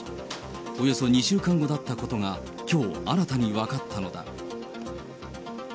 およそ２週間後だったことが、きょう新たに分かったのだ。